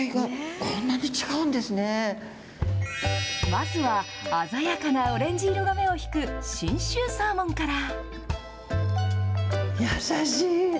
まずは、鮮やかなオレンジ色が目を引く、信州サーモンから。